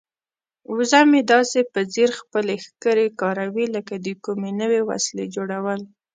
وزه مې داسې په ځیر خپلې ښکرې کاروي لکه د کومې نوې وسیلې جوړول.